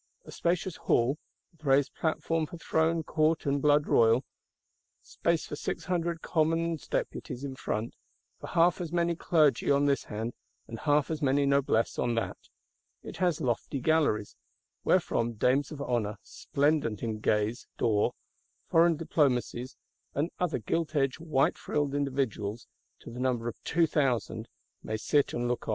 A spacious Hall: with raised platform for Throne, Court and Blood royal; space for six hundred Commons Deputies in front; for half as many Clergy on this hand, and half as many Noblesse on that. It has lofty galleries; wherefrom dames of honour, splendent in gaze d'or; foreign Diplomacies, and other gilt edged white frilled individuals to the number of two thousand,—may sit and look.